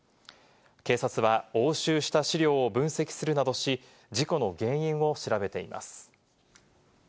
警察は押収した資料を分析するなどし、事故の原因を調べています。